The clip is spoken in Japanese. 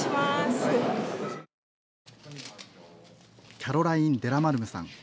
キャロライン・デラマルムさん。